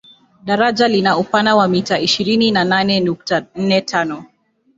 Daraja lina upana wa mita ishirini na nane nukta nne tano